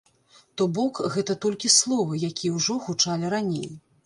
То бок, гэта толькі словы, якія ўжо гучалі раней.